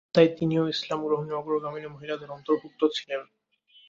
তাই তিনিও ইসলাম গ্রহণে অগ্রগামিনী মহিলাদের অন্তর্ভুক্ত ছিলেন।